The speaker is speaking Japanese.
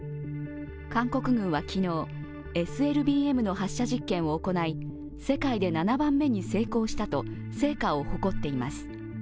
韓国軍は昨日、ＳＬＢＭの発射実験を行い世界で７番目に成功したと成果を誇っています。